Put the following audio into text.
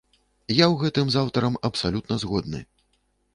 Я ў гэтым з аўтарам абсалютна згодны.